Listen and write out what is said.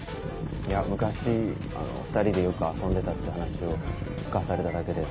いや昔２人でよく遊んでたっていう話を聞かされただけで。